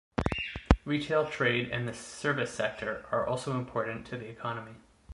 Retail trade and the service sector are also important to the economy.